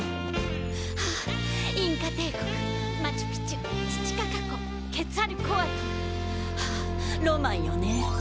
あぁインカ帝国マチュ・ピチュチチカカ湖ケツァルコアトルはぁロマンよねぇ。